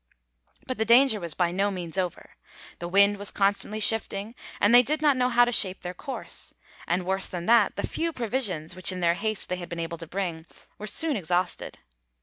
But the danger was by no means over, the wind was constantly shifting, and they did not know how to shape their course; and worse than that, the few provisions, which in their haste they had been able to bring, were soon exhausted.